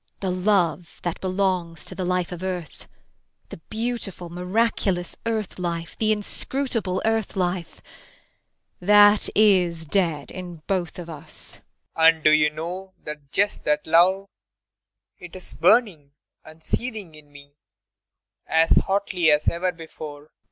The love that belongs to the life of earth the beautiful, miraculous earth life the inscrutable earth life that is dead in both of us. PROFESSOR RUBEK. [Passionately.] And do you know that just that love it is burning and seething in me as hotly as ever before? IRENE.